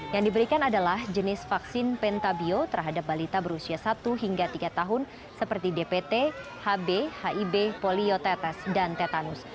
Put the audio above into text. yang diberikan adalah jenis vaksin pentabio terhadap balita berusia satu hingga tiga tahun seperti dpt hb hib poliotetes dan tetanus